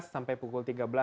sampai pukul tiga belas